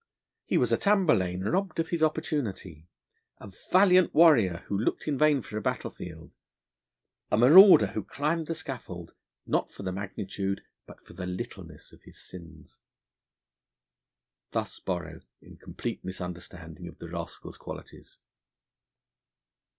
He was a Tamerlane, robbed of his opportunity; a valiant warrior, who looked in vain for a battlefield; a marauder who climbed the scaffold not for the magnitude, but for the littleness of his sins. Thus Borrow, in complete misunderstanding of the rascal's qualities.